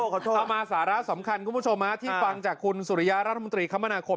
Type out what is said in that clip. ขอโทษเอามาสาระสำคัญคุณผู้ชมที่ฟังจากคุณสุริยะรัฐมนตรีคมนาคม